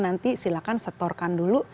nanti silahkan setorkan dulu